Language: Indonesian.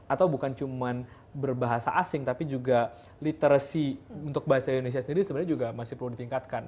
atau bukan cuma berbahasa asing tapi juga literacy untuk bahasa indonesia sendiri sebenarnya juga masih perlu ditingkatkan